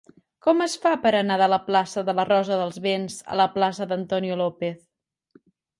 Com es fa per anar de la plaça de la Rosa dels Vents a la plaça d'Antonio López?